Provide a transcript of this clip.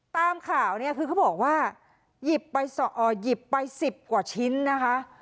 ตามข่าวเนี่ยคือเขาบอกว่าหยิบไป๑๐กว่าชิ้นนะคะ